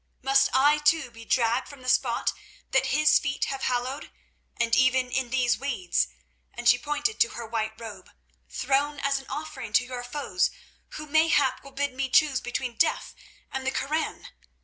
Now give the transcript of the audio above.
Must I too be dragged from the spot that His feet have hallowed, and even in these weeds"—and she pointed to her white robe—"thrown as an offering to your foes, who mayhap will bid me choose between death and the Koran?